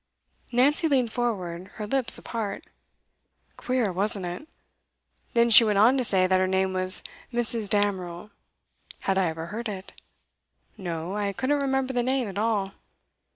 Nancy leaned forward, her lips apart. 'Queer, wasn't it? Then she went on to say that her name was Mrs. Damerel; had I ever heard it? No, I couldn't remember the name at all.